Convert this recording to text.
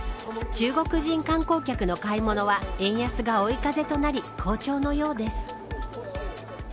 中国人観光客の買い物は円安が追い風となり好調のようです。